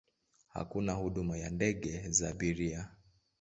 Hakuna huduma ya ndege za abiria.